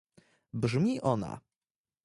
Brzmi ona